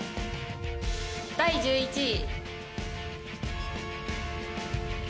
第１１位、。